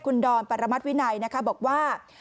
คุณดอลประรมัติวินัยบอกว่า